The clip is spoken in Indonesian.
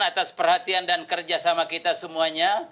atas perhatian dan kerja sama kita semuanya